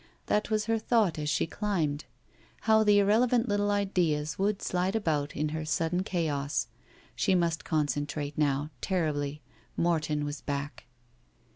That was her thought as she climbed. How the irrelevant little ideas would slide about in her sudden chaos. She must concen trate now. Terribly. Morton was back.